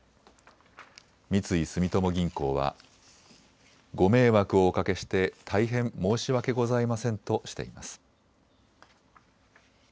三井住友銀行はご迷惑をおかけして大変申し訳ございませんとしています。